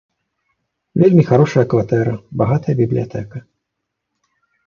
Вельмі харошая кватэра, багатая бібліятэка.